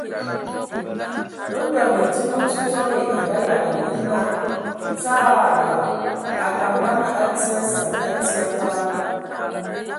Ndɔ Məndim me Ntsotsɔli a ngayalan nye naa : Tsaarr...ra : Akaŋ dama a tii a nsəŋ, a tii a falag !